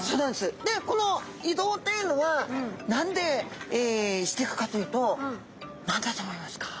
でこの移動というのは何でしていくかというと何だと思いますか？